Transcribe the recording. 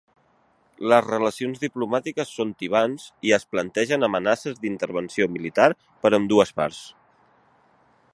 Les relacions diplomàtiques són tibants i es plantegen amenaces d'intervenció militar per ambdues parts.